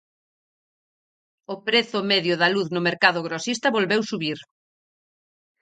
O prezo medio da luz no mercado grosista volveu subir.